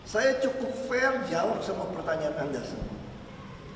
saya cukup fair jawab semua pertanyaan anda semua